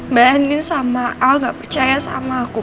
mbak endin sama al nggak percaya sama aku